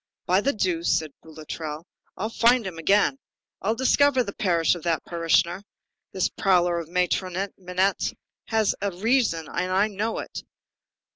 "By the deuce," said Boulatruelle, "I'll find him again. I'll discover the parish of that parishioner. This prowler of Patron Minette has a reason, and I'll know it.